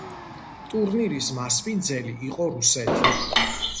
ტურნირის მასპინძელი იყო რუსეთი.